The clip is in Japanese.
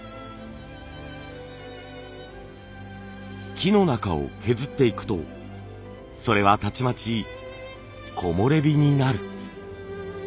木の中を削っていくとそれはたちまち木漏れ日になる。